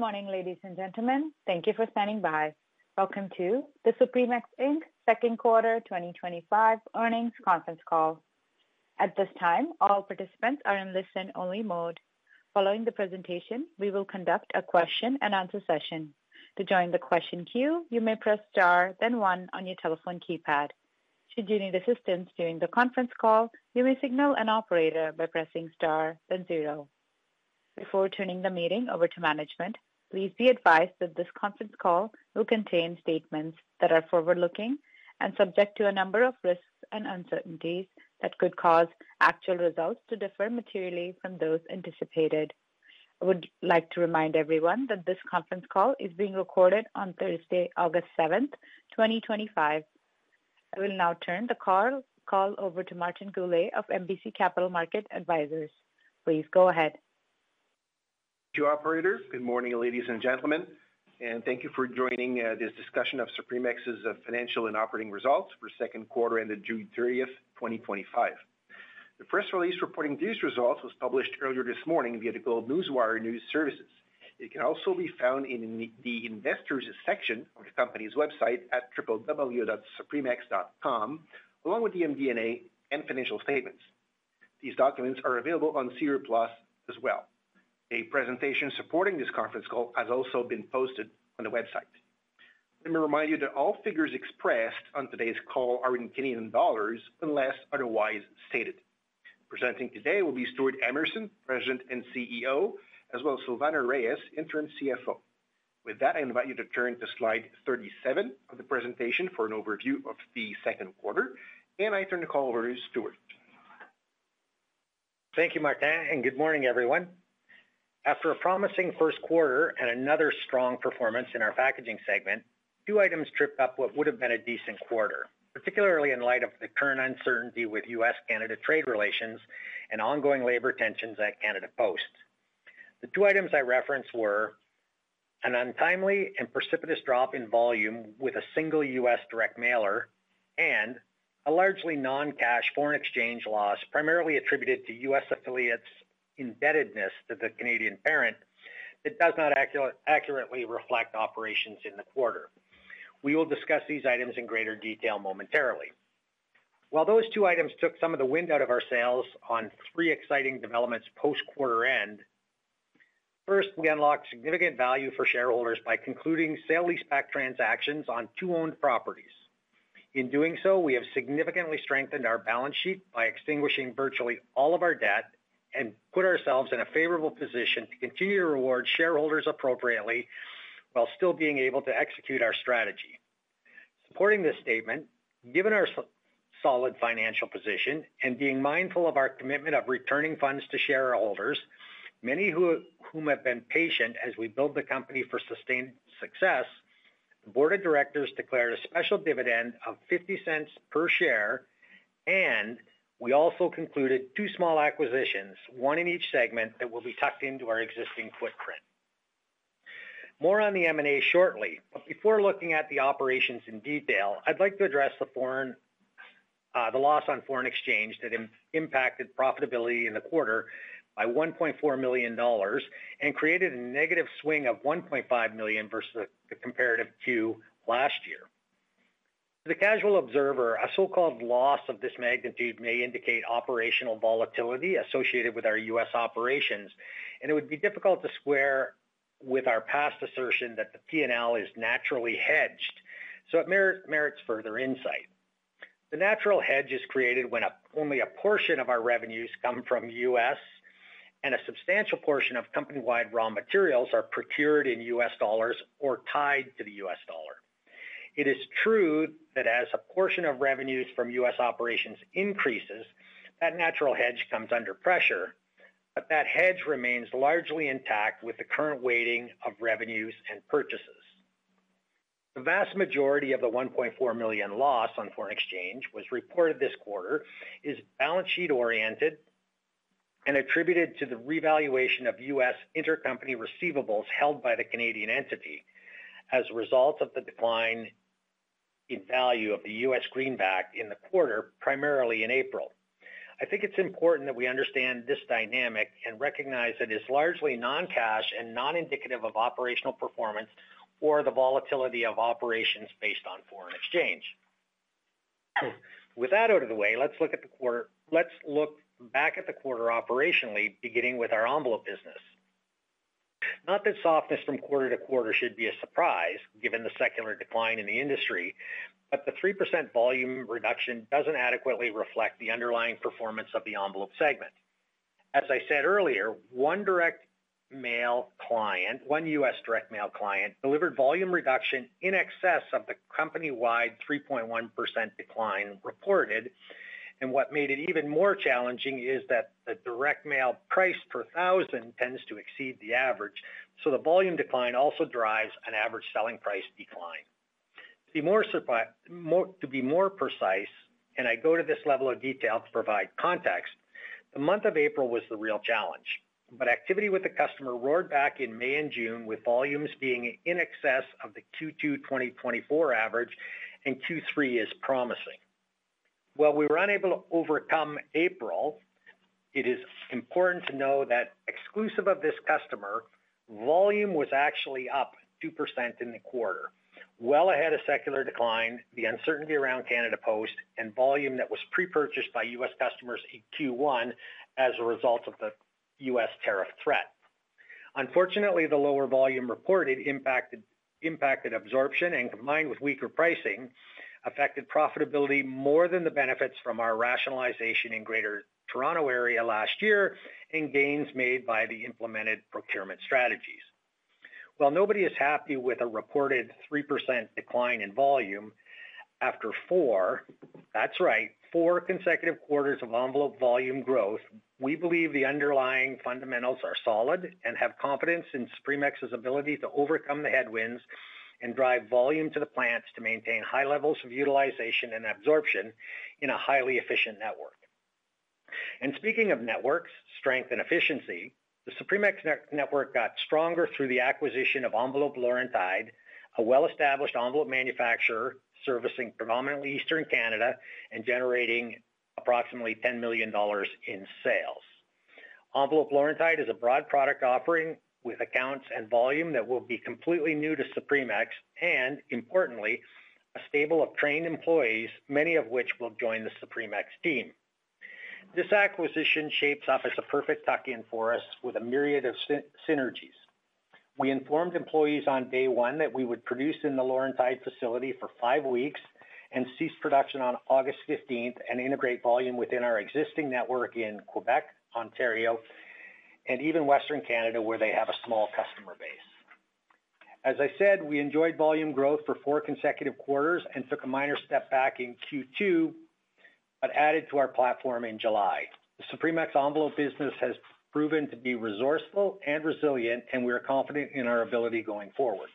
Good morning, ladies and gentlemen. Thank you for standing by. Welcome to the Supremex Inc. Second Quarter 2025 Earnings Conference Call. At this time, all participants are in listen-only mode. Following the presentation, we will conduct a question and answer session. To join the question queue, you may press star, then one on your telephone keypad. Should you need assistance during the conference call, you may signal an operator by pressing star, then zero. Before turning the meeting over to management, please be advised that this conference call will contain statements that are forward-looking and subject to a number of risks and uncertainties that could cause actual results to differ materially from those anticipated. I would like to remind everyone that this conference call is being recorded on Thursday, August 7, 2025. I will now turn the call over to Martin Goulet of NBC Capital Market Advisors. Please go ahead. Thank you, operator. Good morning, ladies and gentlemen. Thank you for joining this discussion of Supremex Inc.'s financial and operating results for the second quarter ended June 30, 2025. The press release reporting these results was published earlier this morning via the Globe Newswire News Services. It can also be found in the Investors section of the company's website at www.supremex.com, along with the MD&A and financial statements. These documents are available on SEDAR+ as well. A presentation supporting this conference call has also been posted on the website. Let me remind you that all figures expressed on today's call are in Canadian dollars, unless otherwise stated. Presenting today will be Stewart Emerson, President and CEO, as well as Silvana Reyes, Interim CFO. With that, I invite you to turn to slide 37 of the presentation for an overview of the second quarter, and I turn the call over to Stewart. Thank you, Martin, and good morning, everyone. After a promising first quarter and another strong performance in our packaging segment, two items tripped up what would have been a decent quarter, particularly in light of the current uncertainty with U.S.-Canada trade relations and ongoing labor tensions at Canada Post. The two items I referenced were an untimely and precipitous drop in volume with a single U.S. direct mailer and a largely non-cash foreign exchange loss primarily attributed to U.S. affiliates' indebtedness to the Canadian parent that does not accurately reflect operations in the quarter. We will discuss these items in greater detail momentarily. While those two items took some of the wind out of our sails, on three exciting developments post-quarter end, first, we unlocked significant value for shareholders by concluding sale-leaseback transactions on two owned properties. In doing so, we have significantly strengthened our balance sheet by extinguishing virtually all of our debt and put ourselves in a favorable position to continue to reward shareholders appropriately while still being able to execute our strategy. Supporting this statement, given our solid financial position and being mindful of our commitment of returning funds to shareholders, many of whom have been patient as we build the company for sustained success, the Board of Directors declared a special dividend of $0.50 per share, and we also concluded two small acquisitions, one in each segment that will be tucked into our existing footprint. More on the M&A shortly, but before looking at the operations in detail, I'd like to address the loss on foreign exchange that impacted profitability in the quarter by $1.4 million and created a negative swing of $1.5 million versus the comparative Q2 last year. To the casual observer, a so-called loss of this magnitude may indicate operational volatility associated with our U.S. operations, and it would be difficult to square with our past assertion that the P&L is naturally hedged, so it merits further insight. The natural hedge is created when only a portion of our revenues come from the U.S., and a substantial portion of company-wide raw materials are procured in U.S. dollars or tied to the U.S. dollar. It is true that as a portion of revenues from U.S. operations increases, that natural hedge comes under pressure, but that hedge remains largely intact with the current weighting of revenues and purchases. The vast majority of the $1.4 million loss on foreign exchange reported this quarter is balance sheet-oriented and attributed to the revaluation of U.S. intercompany receivables held by the Canadian entity as a result of the decline in value of the U.S. greenback in the quarter, primarily in April. I think it's important that we understand this dynamic and recognize that it is largely non-cash and non-indicative of operational performance or the volatility of operations based on foreign exchange. With that out of the way, let's look back at the quarter operationally, beginning with our envelope business. Not that softness from quarter to quarter should be a surprise, given the secular decline in the industry, but the 3% volume reduction doesn't adequately reflect the underlying performance of the envelope segment. As I said earlier, one direct mail client, one U.S. direct mail client, delivered volume reduction in excess of the company-wide 3.1% decline reported, and what made it even more challenging is that the direct mail price per thousand tends to exceed the average, so the volume decline also drives an average selling price decline. To be more precise, and I go to this level of detail to provide context, the month of April was the real challenge, but activity with the customer roared back in May and June, with volumes being in excess of the Q2 2024 average, and Q3 is promising. While we were unable to overcome April, it is important to know that exclusive of this customer, volume was actually up 2% in the quarter, well ahead of secular decline, the uncertainty around Canada Post, and volume that was pre-purchased by U.S. customers in Q1 as a result of the U.S. tariff threat. Unfortunately, the lower volume reported impacted absorption and, combined with weaker pricing, affected profitability more than the benefits from our rationalization in Greater Toronto Area last year and gains made by the implemented procurement strategies. Nobody is happy with a reported 3% decline in volume after four, that's right, four consecutive quarters of envelope volume growth, but we believe the underlying fundamentals are solid and have confidence in Supremex's ability to overcome the headwinds and drive volume to the plants to maintain high levels of utilization and absorption in a highly efficient network. Speaking of networks, strength, and efficiency, the Supremex network got stronger through the acquisition of Envelope Laurentide, a well-established envelope manufacturer servicing predominantly Eastern Canada and generating approximately $10 million in sales. Envelope Laurentide is a broad product offering with accounts and volume that will be completely new to Supremex and, importantly, a stable of trained employees, many of which will join the Supremex team. This acquisition shapes up as a perfect tuck-in for us with a myriad of synergies. We informed employees on day one that we would produce in the Laurentide facility for five weeks and cease production on August 15 and integrate volume within our existing network in Quebec, Ontario, and even Western Canada, where they have a small customer base. As I said, we enjoyed volume growth for four consecutive quarters and took a minor step back in Q2 but added to our platform in July. The Supremex envelope business has proven to be resourceful and resilient, and we are confident in our ability going forward.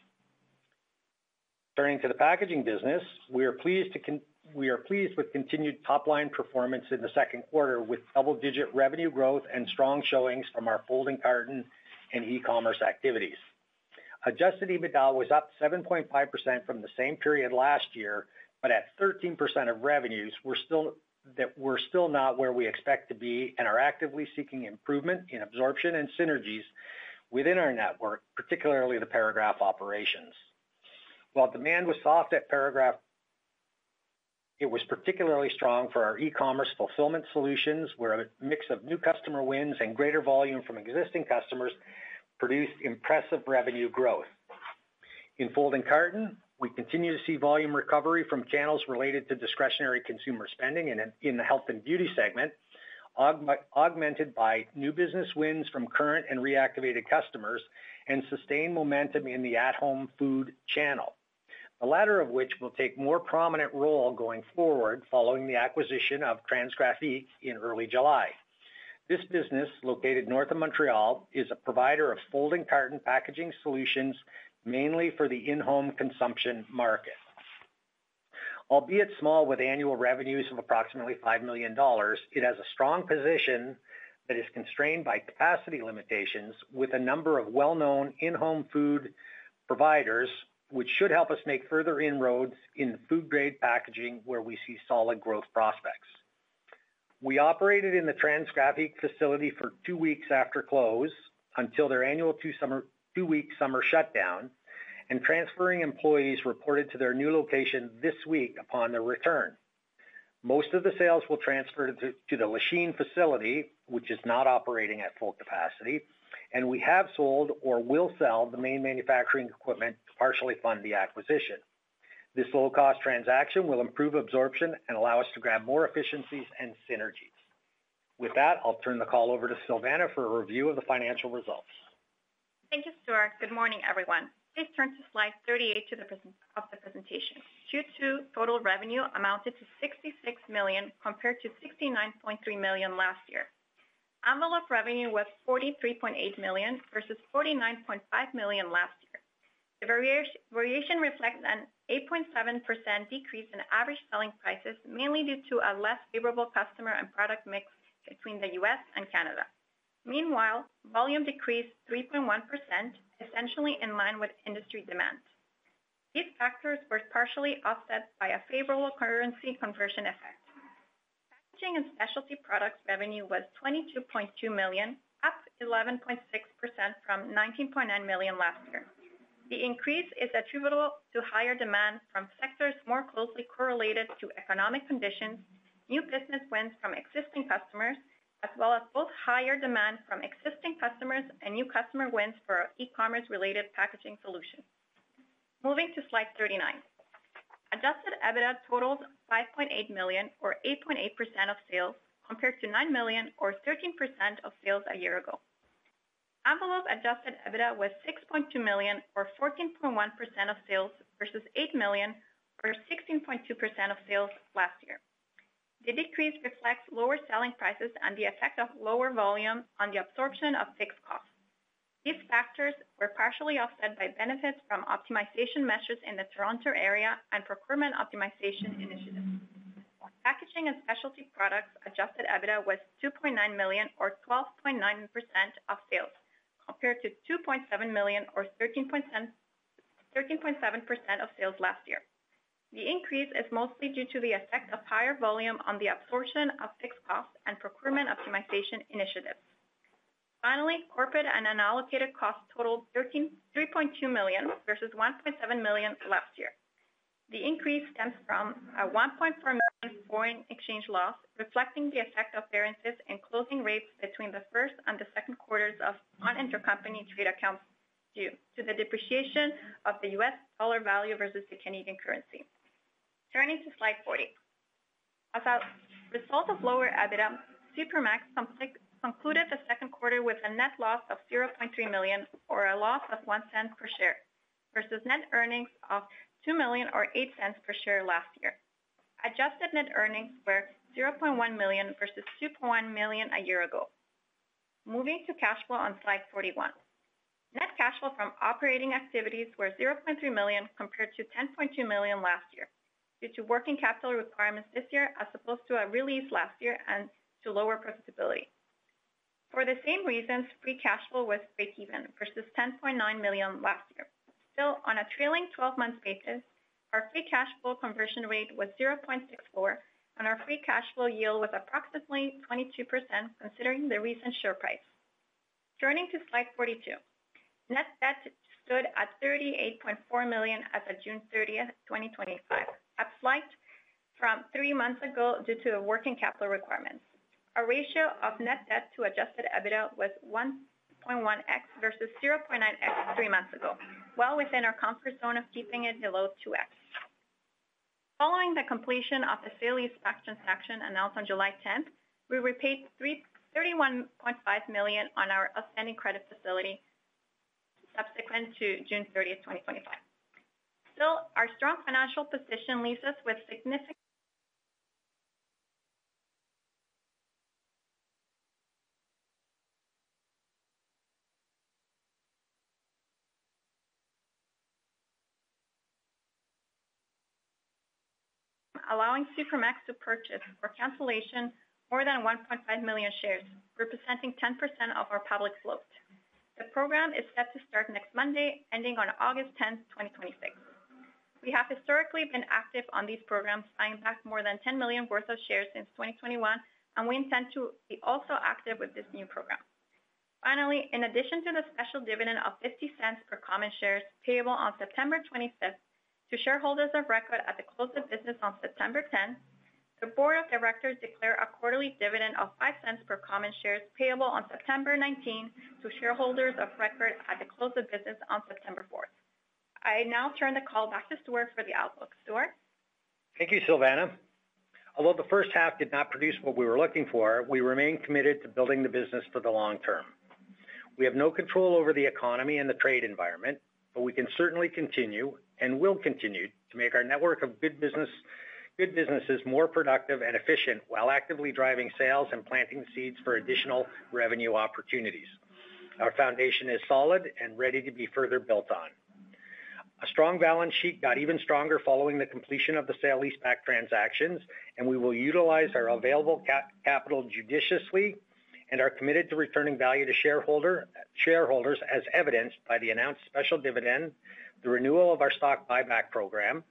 Turning to the packaging business, we are pleased with continued top-line performance in the second quarter with double-digit revenue growth and strong showings from our folding carton and e-commerce activities. Adjusted EBITDA was up 7.5% from the same period last year, but at 13% of revenues, we're still not where we expect to be and are actively seeking improvement in absorption and synergies within our network, particularly the paragraph operations. While demand was soft at paragraph, it was particularly strong for our e-commerce fulfillment solutions, where a mix of new customer wins and greater volume from existing customers produced impressive revenue growth. In folding carton, we continue to see volume recovery from channels related to discretionary consumer spending in the health and beauty segment, augmented by new business wins from current and reactivated customers and sustained momentum in the at-home food channel, the latter of which will take a more prominent role going forward following the acquisition of Transgrafique in early July. This business, located north of Montreal, is a provider of folding carton packaging solutions, mainly for the in-home consumption market. Albeit small with annual revenues of approximately $5 million, it has a strong position that is constrained by capacity limitations with a number of well-known in-home food providers, which should help us make further inroads in food-grade packaging where we see solid growth prospects. We operated in the Transgrafique facility for two weeks after close until their annual two-week summer shutdown, and transferring employees reported to their new location this week upon their return. Most of the sales will transfer to the Lachine facility, which is not operating at full capacity, and we have sold or will sell the main manufacturing equipment to partially fund the acquisition. This low-cost transaction will improve absorption and allow us to grab more efficiencies and synergies. With that, I'll turn the call over to Silvana for a review of the financial results. Thank you, Stewart. Good morning, everyone. Please turn to slide 38 of the presentation. Q2 total revenue amounted to $66 million compared to $69.3 million last year. Envelope revenue was $43.8 million versus $49.5 million last year. The variation reflects an 8.7% decrease in average selling prices, mainly due to a less favorable customer and product mix between the U.S. and Canada. Meanwhile, volume decreased 3.1%, essentially in line with industry demand. These factors were partially offset by a favorable currency conversion effect. Packaging and specialty products revenue was $22.2 million, up 11.6% from $19.9 million last year. The increase is attributable to higher demand from sectors more closely correlated to economic conditions, new business wins from existing customers, as well as both higher demand from existing customers and new customer wins for our e-commerce-related packaging solutions. Moving to slide 39, adjusted EBITDA totaled $5.8 million, or 8.8% of sales, compared to $9 million, or 13% of sales a year ago. Envelope adjusted EBITDA was $6.2 million, or 14.1% of sales versus $8 million, or 16.2% of sales last year. The decrease reflects lower selling prices and the effect of lower volume on the absorption of fixed costs. These factors were partially offset by benefits from optimization measures in the Toronto area and procurement optimization initiatives. On packaging and specialty products, adjusted EBITDA was $2.9 million, or 12.9% of sales, compared to $2.7 million, or 13.7% of sales last year. The increase is mostly due to the effect of higher volume on the absorption of fixed costs and procurement optimization initiatives. Finally, corporate and unallocated costs totaled $3.2 million versus $1.7 million last year. The increase stems from a $1.4 million non-cash foreign exchange loss, reflecting the effect of variances in closing rates between the first and the second quarters of non-intercompany trade accounts due to the depreciation of the U.S. dollar value versus the Canadian currency. Turning to slide 40, as a result of lower EBITDA, Supremex concluded the second quarter with a net loss of $0.3 million, or a loss of $0.01 per share, versus net earnings of $2 million, or $0.08 per share last year. Adjusted net earnings were $0.1 million versus $2.1 million a year ago. Moving to cash flow on slide 41, net cash flow from operating activities were $0.3 million compared to $10.2 million last year due to working capital requirements this year as opposed to a release last year and to lower profitability. For the same reasons, free cash flow was breakeven versus $10.9 million last year. Still, on a trailing 12-month basis, our free cash flow conversion rate was 0.64, and our free cash flow yield was approximately 22% considering the recent share price. Turning to slide 42, net debt stood at $38.4 million as of June 30, 2025, up slightly from three months ago due to working capital requirements. Our ratio of net debt to adjusted EBITDA was 1.1x versus 0.9x three months ago, well within our comfort zone of keeping it below 2x. Following the completion of the sale-leaseback transaction announced on July 10, we repaid $31.5 million on our outstanding credit facility subsequent to June 30, 2025. Still, our strong financial position leaves us with significant... allowing Supremex to purchase or cancel more than 1.5 million shares, representing 10% of our public float. The program is set to start next Monday, ending on August 10, 2026. We have historically been active on these programs, buying back more than $10 million worth of shares since 2021, and we intend to be also active with this new program. Finally, in addition to the special dividend of $0.50 per common share payable on September 25 to shareholders of record at the close of business on September 10, the board of directors declared a quarterly dividend of $0.05 per common share payable on September 19 to shareholders of record at the close of business on September 4. I now turn the call back to Stewart for the outlook. Stewart? Thank you, Silvana. Although the first half did not produce what we were looking for, we remain committed to building the business for the long term. We have no control over the economy and the trade environment, but we can certainly continue and will continue to make our network of good businesses more productive and efficient while actively driving sales and planting seeds for additional revenue opportunities. Our foundation is solid and ready to be further built on. A strong balance sheet got even stronger following the completion of the sale-leaseback transactions, and we will utilize our available capital judiciously and are committed to returning value to shareholders as evidenced by the announced special dividend, the renewal of our share buyback program,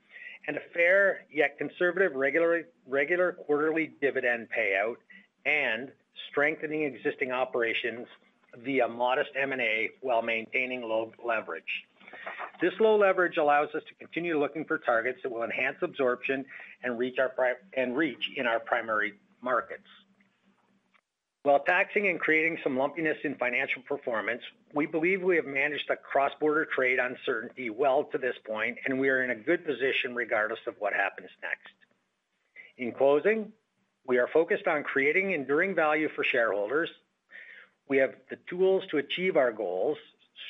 and a fair yet conservative regular quarterly dividend payout and strengthening existing operations via modest M&A while maintaining low leverage. This low leverage allows us to continue looking for targets that will enhance absorption and reach in our primary markets. While taxing and creating some lumpiness in financial performance, we believe we have managed the cross-border trade uncertainty well to this point, and we are in a good position regardless of what happens next. In closing, we are focused on creating enduring value for shareholders. We have the tools to achieve our goals,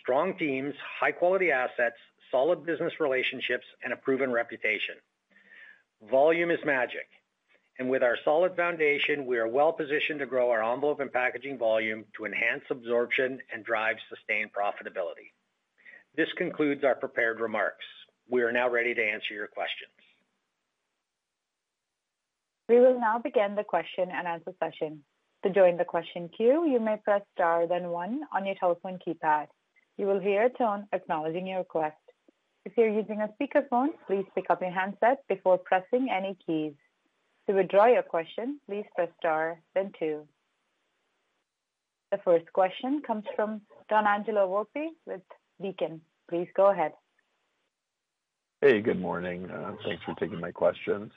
strong teams, high-quality assets, solid business relationships, and a proven reputation. Volume is magic, and with our solid foundation, we are well-positioned to grow our envelope and packaging volume to enhance absorption and drive sustained profitability. This concludes our prepared remarks. We are now ready to answer your questions. We will now begin the question and answer session. To join the question queue, you may press star, then one on your telephone keypad. You will hear a tone acknowledging your request. If you're using a speakerphone, please pick up your handset before pressing any keys. To withdraw your question, please press star, then two. The first question comes from Donangelo Volpe with Beacon Securities. Please go ahead. Hey, good morning. Thanks for taking my questions.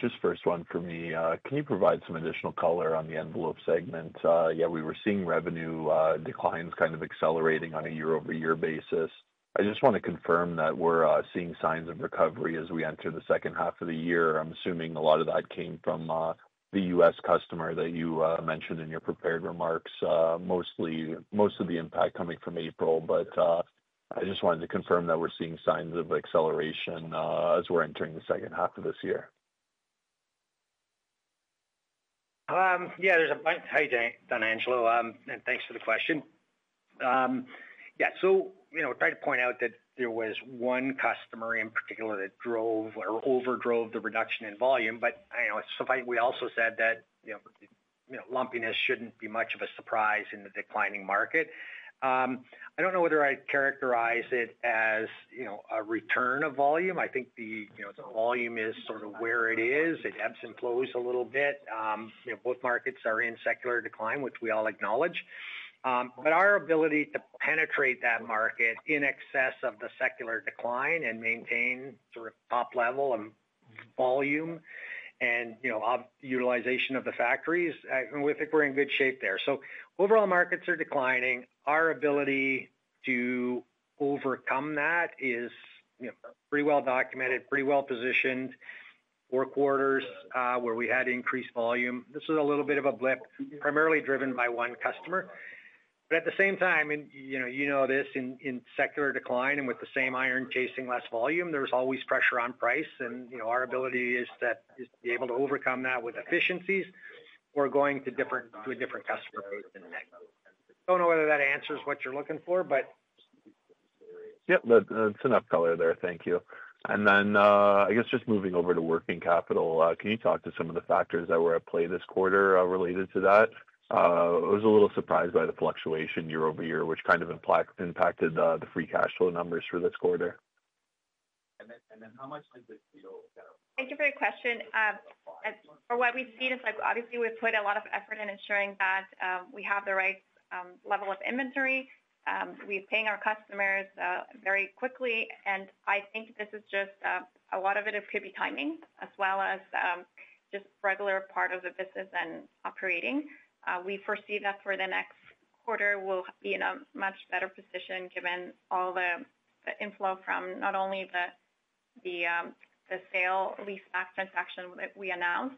Just first one for me. Can you provide some additional color on the envelope segment? We were seeing revenue declines kind of accelerating on a year-over-year basis. I just want to confirm that we're seeing signs of recovery as we enter the second half of the year. I'm assuming a lot of that came from the U.S. customer that you mentioned in your prepared remarks, most of the impact coming from April, but I just wanted to confirm that we're seeing signs of acceleration as we're entering the second half of this year. Yeah, there's a... Hey, Donangelo Volpe, and thanks for the question. Yeah, so I'm trying to point out that there was one customer in particular that drove or overdrove the reduction in volume, but we also said that lumpiness shouldn't be much of a surprise in the declining market. I don't know whether I'd characterize it as a return of volume. I think the volume is sort of where it is. It ebbs and flows a little bit. Both markets are in secular decline, which we all acknowledge. Our ability to penetrate that market in excess of the secular decline and maintain sort of top level and volume and utilization of the factories, I think we're in good shape there. Overall, markets are declining. Our ability to overcome that is pretty well documented, pretty well positioned. Four quarters where we had increased volume, this was a little bit of a blip, primarily driven by one customer. At the same time, and you know this, in secular decline and with the same iron chasing less volume, there's always pressure on price, and our ability is to be able to overcome that with efficiencies or going to a different customer base than Mega. I don't know whether that answers what you're looking for, but... Yeah, that's enough color there. Thank you. I guess just moving over to working capital, can you talk to some of the factors that were at play this quarter related to that? I was a little surprised by the fluctuation year over year, which kind of impacted the free cash flow numbers for this quarter. How much does it feel? Thank you for your question. As for what we've seen, obviously we've put a lot of effort in ensuring that we have the right level of inventory. We're paying our customers very quickly, and I think this is just a lot of it could be timing as well as just a regular part of the business and operating. We foresee that for the next quarter, we'll be in a much better position given all the inflow from not only the sale-leaseback transaction that we announced,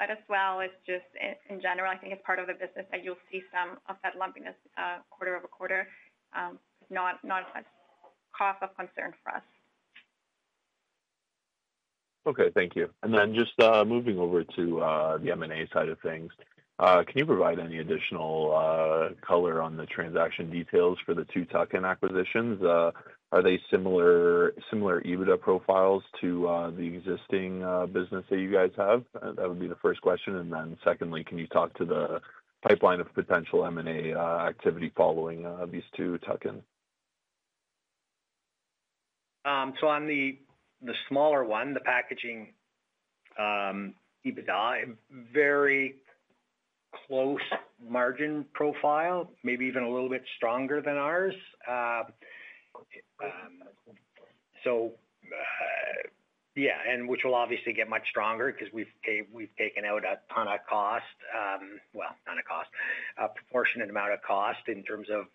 but as well as just in general, I think it's part of the business that you'll see some of that lumpiness quarter over quarter. Not as much cause of concern for us. Okay, thank you. Moving over to the M&A side of things, can you provide any additional color on the transaction details for the two tuck-in acquisitions? Are they similar EBITDA profiles to the existing business that you guys have? That would be the first question. Secondly, can you talk to the pipeline of potential M&A activity following these two tuck-ins? On the smaller one, the packaging EBITDA, very close margin profile, maybe even a little bit stronger than ours. That will obviously get much stronger because we've taken out a ton of cost, not a cost, a proportionate amount of cost in terms of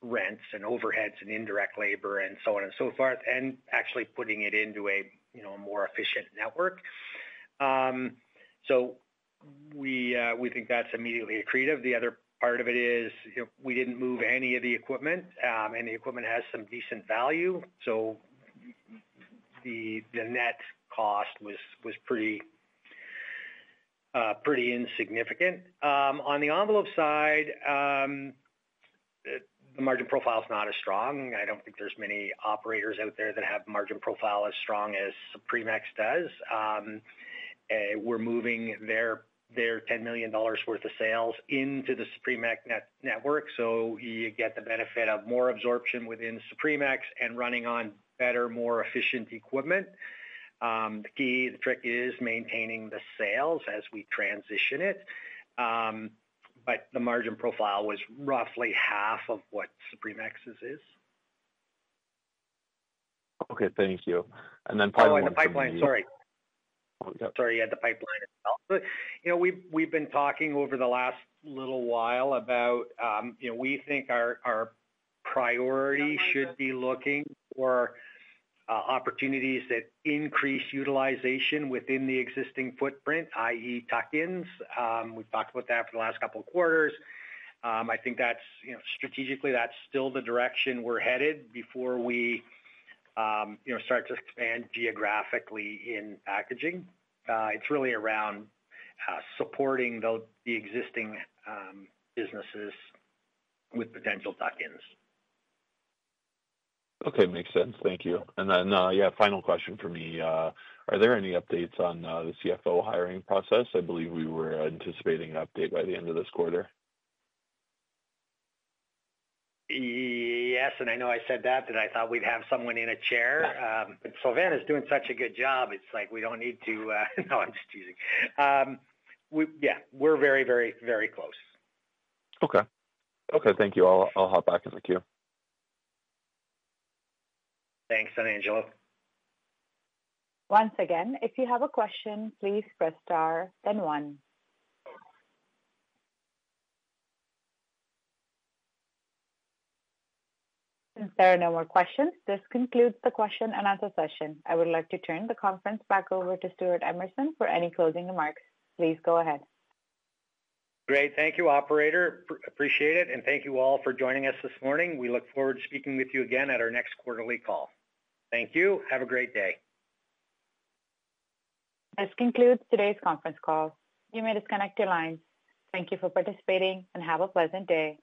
rents and overheads and indirect labor and so on and so forth, and actually putting it into a more efficient network. We think that's immediately accretive. The other part of it is we didn't move any of the equipment, and the equipment has some decent value, so the net cost was pretty insignificant. On the envelope side, the margin profile is not as strong. I don't think there's many operators out there that have margin profile as strong as Supremex does. We're moving their $10 million worth of sales into the Supremex network, so you get the benefit of more absorption within Supremex and running on better, more efficient equipment. The key, the trick is maintaining the sales as we transition it, but the margin profile was roughly half of what Supremex's is. Okay, thank you. Finally. Sorry you had the pipeline as well. We've been talking over the last little while about, you know, we think our priority should be looking for opportunities that increase utilization within the existing footprint, i.e., tuck-in acquisitions. We've talked about that for the last couple of quarters. I think that's, you know, strategically, that's still the direction we're headed before we start to expand geographically in packaging. It's really around supporting the existing businesses with potential tuck-in acquisitions. Okay, makes sense. Thank you. Final question for me. Are there any updates on the CFO hiring process? I believe we were anticipating an update by the end of this quarter. Yes, I know I said that, but I thought we'd have someone in a chair. Silvana's doing such a good job. It's like we don't need to, no, I'm just cheesy. We're very, very, very close. Okay, thank you. I'll hop back in the queue. Thanks, Donangelo. Once again, if you have a question, please press star, then one. Since there are no more questions, this concludes the question and answer session. I would like to turn the conference back over to Stewart Emerson for any closing remarks. Please go ahead. Great. Thank you, operator. Appreciate it, and thank you all for joining us this morning. We look forward to speaking with you again at our next quarterly call. Thank you. Have a great day. This concludes today's conference call. You may disconnect your lines. Thank you for participating and have a pleasant day.